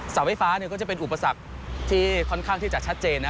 เสาไฟฟ้าก็จะเป็นอุปสรรคที่ค่อนข้างที่จะชัดเจนนะ